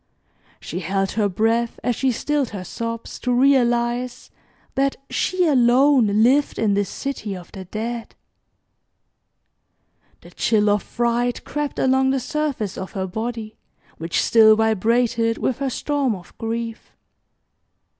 She held her breath as she stilled her sobs to realize that she alone lived in this city of the Dead. The chill of fright crept along the surface of her body, which still vibrated with her storm of grief.